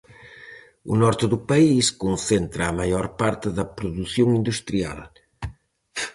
O norte do país concentra a maior parte da produción industrial.